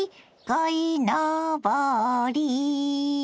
「こいのぼり」